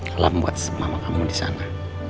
kalau membuat semama kamu di sana